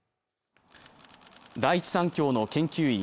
第一三共の研究員